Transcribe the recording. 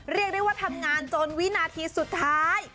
เรียกได้ว่าทำงานจนวินาทีสุดท้าย